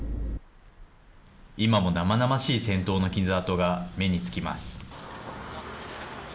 今も生々しい戦闘の傷跡が目につきます。